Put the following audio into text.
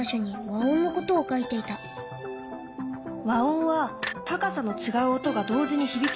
和音は高さの違う音が同時に響き合う音だね。